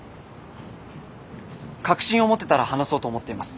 確信を持てたら話そうと思っています。